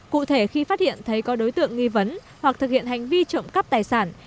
cụ thể khi phát hiện thấy có đối tượng nghi vấn hoặc thực hiện hành vi trộm cắp tài sản